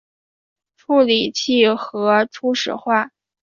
处理器核初始化